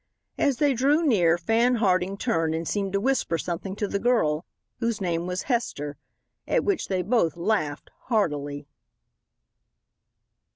As they drew near Fan Harding turned and seemed to whisper something to the girl, whose name was Hester, at which they both laughed heartily.